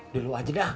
dulu aja dah